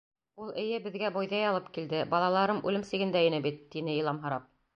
Ул, эйе, беҙгә бойҙай алып килде, балаларым үлем сигендә ине бит, тине иламһырап.